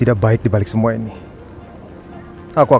aku gak suka